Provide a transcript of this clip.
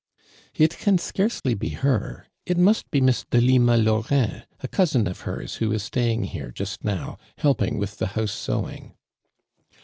"It can scarcely be hor. It must bo Miss Delima Laurin, a cousin of hers, who is staying here, ju«t now, helping with tho house sewing."